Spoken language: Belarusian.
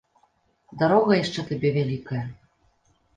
Дарога яшчэ табе вялікая.